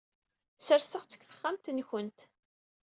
Serseɣ-tt deg texxamt-nkent.